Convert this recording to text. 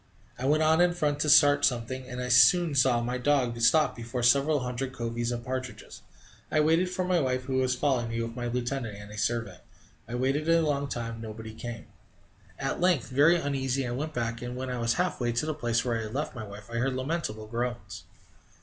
I went on in front to start something, and I soon saw my dog stop before several hundred coveys of partridges. I waited for my wife, who was following me with my lieutenant and a servant. I waited a long time; nobody came. At length, very uneasy, I went back, and, when I was half way to the place where I had left my wife, I heard lamentable groans.